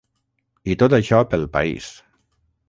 I tot això pel país!